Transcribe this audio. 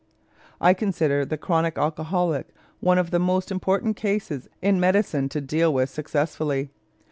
I consider the chronic alcoholic one of the most important cases in medicine to deal with successfully.